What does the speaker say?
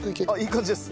いい感じです。